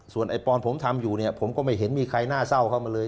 ไอ้ปอนผมทำอยู่เนี่ยผมก็ไม่เห็นมีใครน่าเศร้าเข้ามาเลย